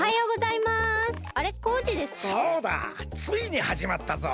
ついにはじまったぞ。